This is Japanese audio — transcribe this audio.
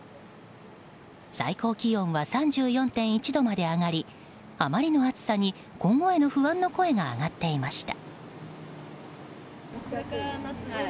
最高気温は３４．１度まで上がりあまりの暑さに今後への不安の声が上がっていました。